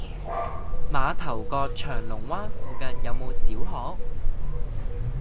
馬頭角翔龍灣附近有無小學？